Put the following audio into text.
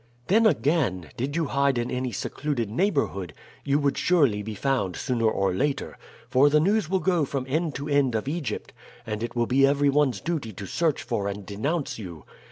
"Then, again, did you hide in any secluded neighborhood, you would surely be found sooner or later, for the news will go from end to end of Egypt, and it will be everyone's duty to search for and denounce you.